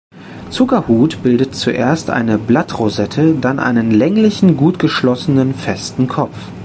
Zuckerhut bildet zuerst eine Blattrosette, dann einen länglichen, gut geschlossenen, festen Kopf.